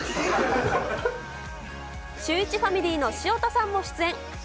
シューイチファミリーの潮田さんも出演。